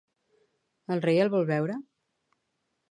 El rei el vol veure?